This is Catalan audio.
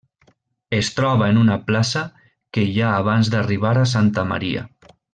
Es troba en una plaça que hi ha abans d'arribar a Santa Maria.